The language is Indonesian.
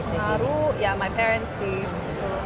paling berpengaruh ya my parents sih